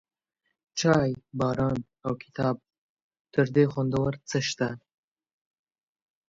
چای، باران، او کتاب، تر دې خوندور څه شته؟